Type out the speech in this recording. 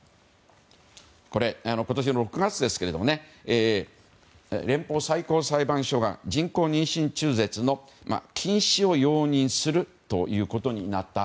今年６月、連邦最高裁判所が人工妊娠中絶の禁止を容認するということになった。